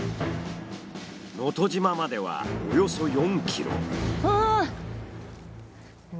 能登島まではおよそ４ｋｍ。